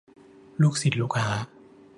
ลูกศิษย์ลูกหา